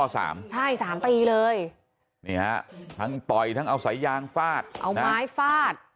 ใช่สามปีเลยนี่ฮะทั้งต่อยทั้งเอาสายยางฟาดเอาไม้ฟาด